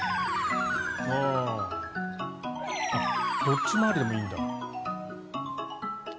どっち回りでもいいんだ。